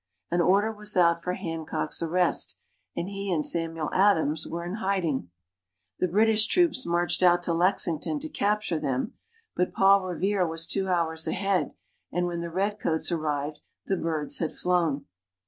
An order was out for Hancock's arrest, and he and Samuel Adams were in hiding. The British troops marched out to Lexington to capture them, but Paul Revere was two hours ahead, and when the redcoats arrived the birds had flown.